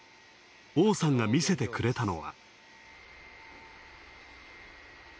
王さんが見せてくれたのは。